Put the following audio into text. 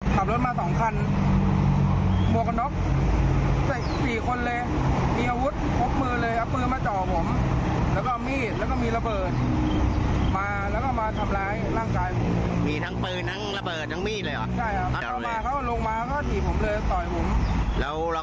ก่อนหน้านี้เคยมีทะเลาะอะไรกันไหมล่ะป่ะ